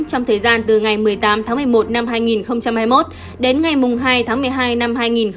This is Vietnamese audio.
trong thời gian từ ngày một mươi tám tháng một mươi một năm hai nghìn hai mươi một đến ngày hai tháng một mươi hai năm hai nghìn hai mươi